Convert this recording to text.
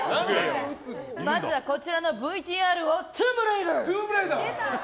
まずはこちらのＶＴＲをトゥームレイダー！